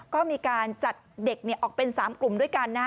ก็มีการจัดเด็กออกเป็น๓กลุ่มด้วยกัน